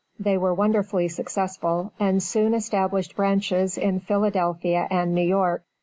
They were wonderfully successful, and soon established branches in Philadelphia and New York.